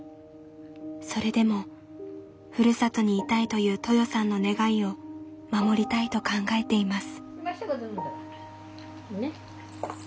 それでもふるさとにいたいというトヨさんの願いを守りたいと考えています。